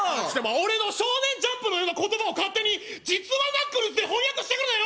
俺の「少年ジャンプ」のような言葉を勝手に「実話ナックルズ」で翻訳してくるなよ